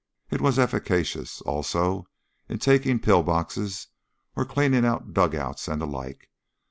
It was efficacious, also, in taking pill boxes and clearing out dug outs and the like.